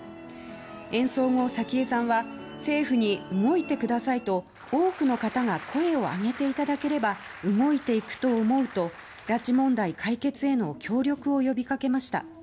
演奏後、早紀江さんは政府に動いてくださいと多くの方が声を上げていただければ動いていくと思うと拉致問題解決への協力を呼びかけました。